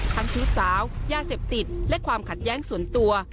ชู้สาวยาเสพติดและความขัดแย้งส่วนตัว